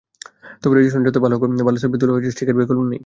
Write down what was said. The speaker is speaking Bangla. তবে রেজ্যুলেশন যতই ভালো হোক, ভালো সেলফি তুলতে হলে স্টিকের বিকল্প নেই।